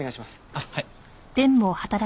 あっはい。